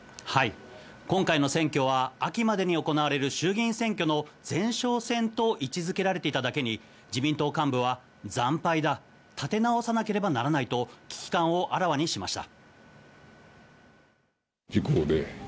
今回の選挙は秋までに行われる衆議院選挙の前哨戦と位置づけられていただけに自民党幹部は、惨敗だ立て直さなければならないと危機感をあらわにしました。